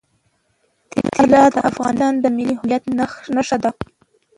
طلا د افغانستان د ملي هویت نښه ده.